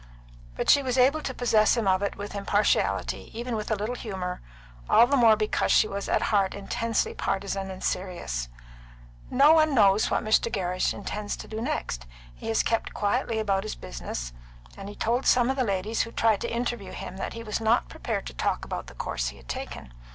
But she was able to possess him of it with impartiality, even with a little humour, all the more because she was at heart intensely partisan and serious. "No one knows what Mr. Gerrish intends to do next. He has kept quietly about his business; and he told some of the ladies who tried to interview him that he was not prepared to talk about the course he had taken.